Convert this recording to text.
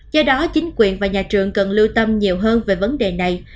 do đó chính quyền và nhà trường cần lưu tâm nhiều hơn về vấn đề này